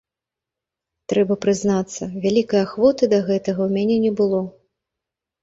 Трэба прызнацца, вялікай ахвоты да гэтага ў мяне не было.